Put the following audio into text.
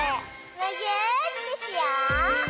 むぎゅーってしよう！